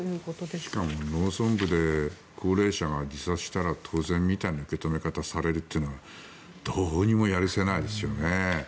しかも農村部で高齢者が自殺したら当然みたいな受け止め方をされるのはどうにもやるせないですよね。